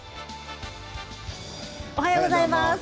おはようございます。